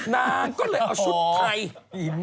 นางก็เลยเอาชุดไทย